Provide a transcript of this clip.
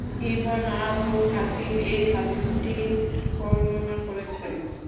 Ibn Abu Hatim এ হাদীসটি বর্ণনা করেছেন।